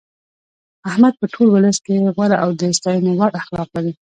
احمد په ټول ولس کې غوره او د ستاینې وړ اخلاق لري.